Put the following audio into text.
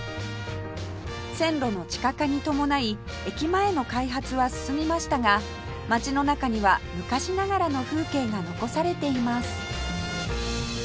線路の地下化に伴い駅前の開発は進みましたが街の中には昔ながらの風景が残されています